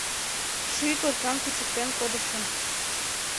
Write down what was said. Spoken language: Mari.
Ший коркам кучыктен кодышым